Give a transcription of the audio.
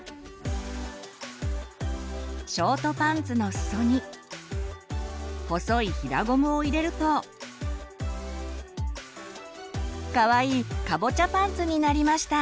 ショートパンツのすそに細い平ゴムを入れるとかわいいカボチャパンツになりました！